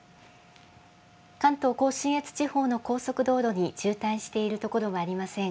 関東甲信越地方の高速道路に渋滞している所はありません。